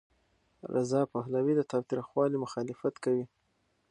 رضا پهلوي د تاوتریخوالي مخالفت کوي.